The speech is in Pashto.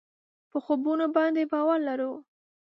په خوبونو باندې باور لرو.